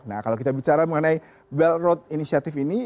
nah kalau kita bicara mengenai belt road initiative ini